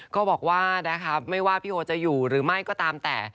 ก็บอกว่านะคะไม่ว่าพี่โอจะอยู่หรือไม่ก็ตามแต่